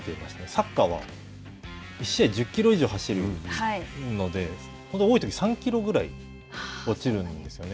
サッカーは１試合で１０キロ以上走るので、多いとき、３キロぐらい落ちるんですよね。